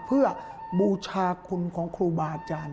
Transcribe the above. เพื่อบูชาคุณของครูบาอาจารย์